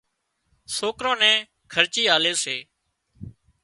سوڪران نين خرچي آلي سي